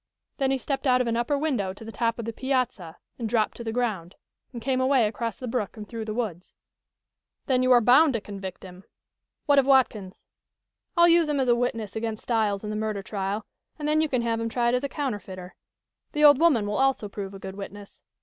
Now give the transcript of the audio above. Then he stepped out of an upper window to the top of the piazza and dropped to the ground, and came away across the brook and through the woods." "Then you are bound to convict him. What of Watkins?" "I'll use him as a witness against Styles in the murder trial and then you can have him tried as a counterfeiter. The old woman will also prove a good witness.